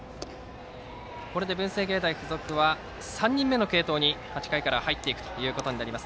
これで文星芸大付属は３人目の継投に８回から入っていくことになります。